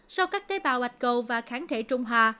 sau các tế bào ạch cầu và kháng thể trung hòa